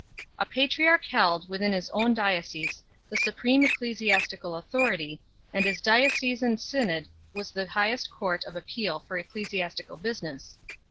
A patriarch held, within his own diocese, the supreme ecclesiastical authority, and his diocesan synod was the highest court of appeal for ecclesiastical business.